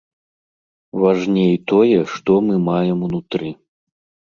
Важней тое, што мы маем унутры.